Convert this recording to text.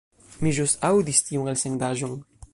Mi ĵus aŭdis tiun elsendaĵon.